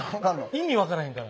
意味分からへんから。